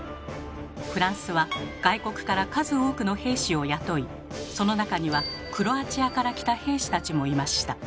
フランスは外国から数多くの兵士を雇いその中にはクロアチアから来た兵士たちもいました。